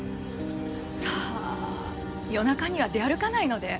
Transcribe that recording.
さぁ夜中には出歩かないので。